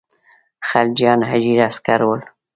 خلجیان اجیر عسکر ول.